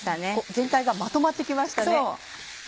全体がまとまって来ましたね。